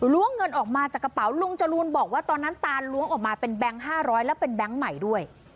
เงินออกมาจากกระเป๋าลุงจรูนบอกว่าตอนนั้นตานล้วงออกมาเป็นแบงค์๕๐๐แล้วเป็นแบงค์ใหม่ด้วย